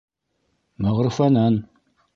Мәғфүрәнән: